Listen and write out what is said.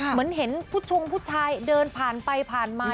เหมือนเห็นผู้ชงผู้ชายเดินผ่านไปผ่านมา